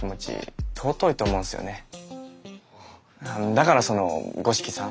だからその五色さん？